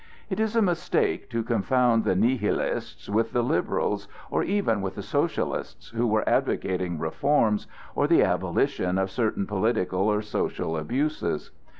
It is a mistake to confound the Nihilists with the Liberals or even with the Socialists who are advocating reforms or the abolition of certain political or social abuses.